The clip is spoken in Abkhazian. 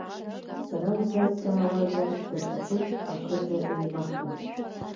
Сара усазҵаауазар даҽа ԥыҭк ақыҭа еимаҳдап…